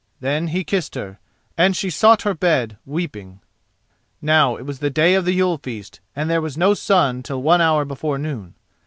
Then he kissed her, and she sought her bed, weeping. Now it was the day of the Yule feast, and there was no sun till one hour before noon.